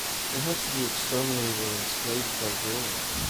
They had to be exterminated or enslaved by Germany.